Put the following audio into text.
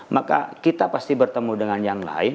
maka kita pasti bertemu dengan yang lain